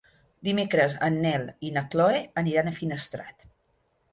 Dimecres en Nel i na Chloé aniran a Finestrat.